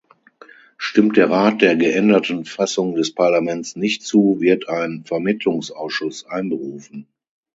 Stimmt der Rat der geänderten Fassung des Parlaments nicht zu, wird ein Vermittlungsausschuss einberufen.